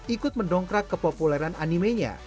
ikut mendongkrak kepopuleran animenya